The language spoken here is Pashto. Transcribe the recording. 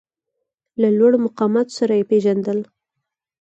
له لوړو مقاماتو سره یې پېژندل.